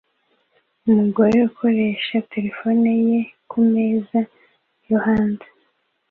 Umugore ukoresha terefone ye kumeza yo hanze